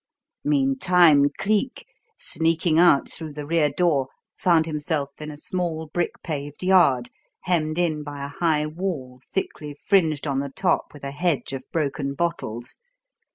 Meantime Cleek, sneaking out through the rear door, found himself in a small, brick paved yard hemmed in by a high wall thickly fringed on the top with a hedge of broken bottles.